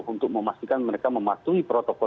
untuk memastikan mereka mematuhi protokol